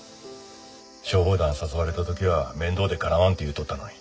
消防団誘われた時は面倒でかなわんって言うとったのに。